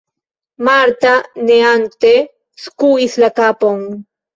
Marta neante skuis la kapon.